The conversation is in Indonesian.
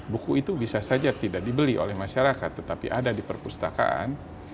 buku itu bisa saja tidak dibeli oleh masyarakat tetapi ada di perpustakaan